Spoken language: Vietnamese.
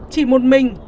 chỉ một mình